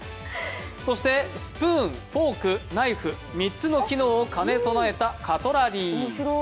そしてスプーン、フォーク、ナイフ３つの機能を兼ね備えたカトラリー。